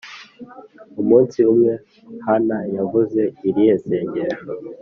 Umunsi umwe Hana yavuze irihe sengesho